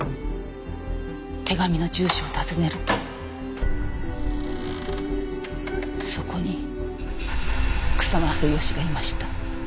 手紙の住所を訪ねるとそこに草間治義がいました。